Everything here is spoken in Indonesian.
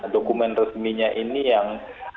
dokumen resminya ini yang